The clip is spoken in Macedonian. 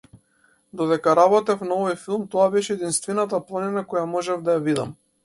Додека работев на овој филм тоа беше единствената планина која можев да ја видам.